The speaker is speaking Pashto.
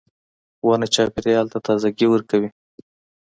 • ونه چاپېریال ته تازهګۍ ورکوي.